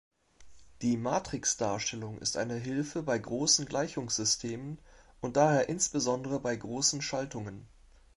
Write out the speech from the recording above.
Die Matrixdarstellung ist eine Hilfe bei großen Gleichungssystemen und daher insbesondere bei großen Schaltungen.